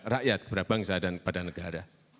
rakyat kepada bangsa dan kepada negara